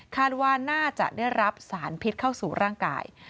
คาดว่าน่าจะได้รับสารพิษเข้าสู่ร่างกาย